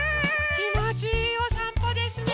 きもちいいおさんぽですね。